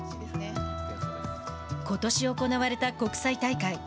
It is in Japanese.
ことし行われた国際大会。